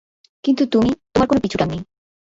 কিন্তু তুমি, তোমার কোনো পিছুটান নেই।